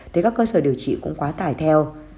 thì các cơ sở điều trị cũng quá tải theo